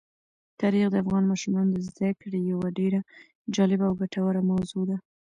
تاریخ د افغان ماشومانو د زده کړې یوه ډېره جالبه او ګټوره موضوع ده.